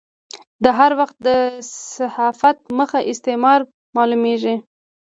د هر وخت د صحافت مخ استعمار فعالېږي.